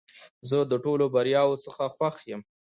زه د ټولو بریاوو څخه خوښ یم .